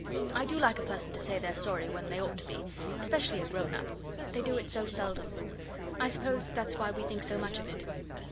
I do like a person to say they're sorry when they ought to be especially a grown up. They do it so seldom. I suppose that's why we think so much of it.